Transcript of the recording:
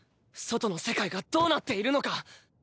外の世界がどうなっているのか。